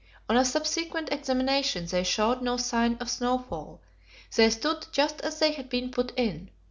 On a subsequent examination they showed no sign of snowfall; they stood just as they had been put in.